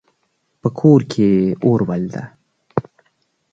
په کور کې اور بل ده